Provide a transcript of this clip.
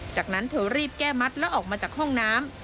จากนั้นเธอรีบแก้มัดแล้วออกมาจากห้องน้ำ